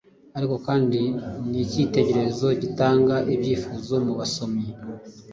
ariko kandi nkicyitegererezo gitanga ibyifuzo mubasomyi.